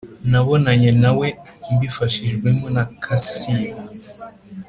Nabonanye nawe mbifashijwemo na Kasiye